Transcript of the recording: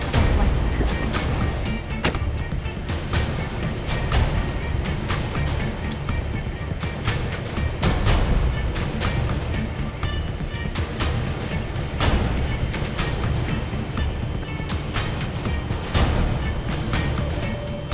makasih pak bye